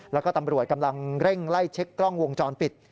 แล้วก็ตำรวจกำลังเร่งไล่เช็คกล้องวงจรปิด